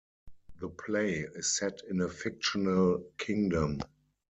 The play is set in a fictional kingdom.